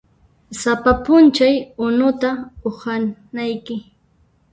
Sapa p'unchay unuta uhanayki.